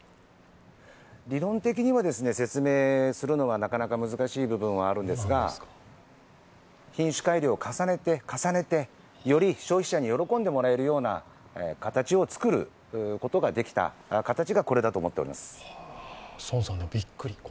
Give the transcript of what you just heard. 理論的には説明するのはなかなか難しい部分はあるんですが品種改良を重ねて、重ねて、より消費者に喜んでもらえるような形を作ることができた形がこれだと思っております。